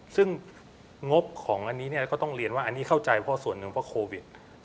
ซึ่งงบของอันนี้ก็ต้องเรียนว่าอันนี้เข้าใจเพราะส่วนหนึ่งเพราะโควิด